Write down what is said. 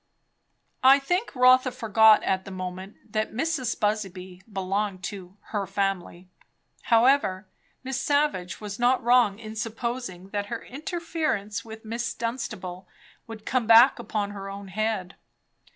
I think Rotha forgot at the moment that Mrs. Busby belonged to "her family." However, Miss Savage was not wrong in supposing that her interference with Miss Dunstable would come back upon her own head.